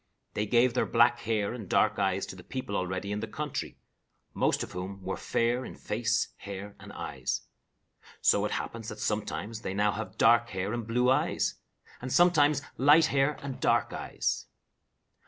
They gave their black hair and dark eyes to the people already in the country, most of whom were fair in face, hair, and eyes. So it happens that sometimes they now have dark hair and blue eyes, and sometimes light hair and dark eyes.